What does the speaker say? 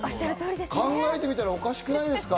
考えてみたらおかしくないですか。